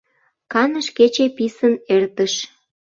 Каныш кече писын эртыш.